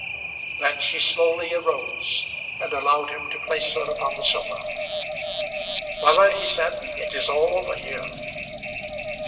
Then she slowly arose and allowed him to place her upon the sofa. "Mother," he said, "it is all over here."